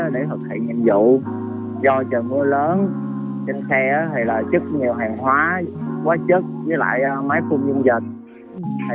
để thực hiện nhiệm vụ do trời mưa lớn trên xe là chất nhiều hàng hóa quá chất với lại máy phun dùng dịch